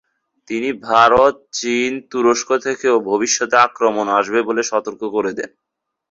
তিনি ভারত, চীন, তুরস্ক থেকেও ভবিষ্যতে আক্রমণ আসবে বলে সতর্ক করে দেন।